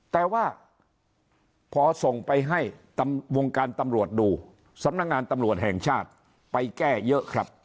แต่ว่าพอส่งไปให้วงการตำรวจดูสำนักงานตำรวจแห่งชาติไปแก้เยอะครับ